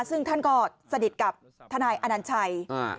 ซึ่งท่านก็สนิทกับทนายอนัญชัย